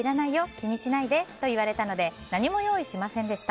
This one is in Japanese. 気にしないでと言われたので何も用意しませんでした。